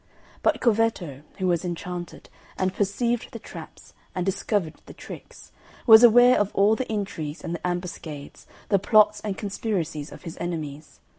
But Corvetto, who was enchanted, and perceived the traps, and discovered the tricks, was aware of all the intrigues and the ambuscades, the plots and conspiracies of his enemies.